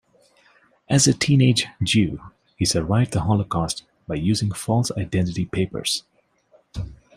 As a teenage Jew, he survived the Holocaust by using false identity papers.